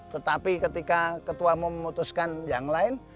tetapi ketika ketua umum memutuskan yang lain